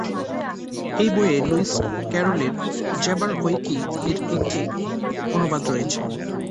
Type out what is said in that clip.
এই বইয়ে লুইস ক্যারলের ‘‘জ্যাবারওয়কি’’-র একটি অনুবাদ রয়েছে।